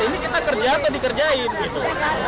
ini kita kerja atau dikerjain gitu